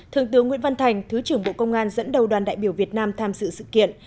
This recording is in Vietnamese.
thượng tướng nguyễn văn thành thứ trưởng bộ công an dẫn đầu đoàn đại biểu việt nam tham dự sự kiện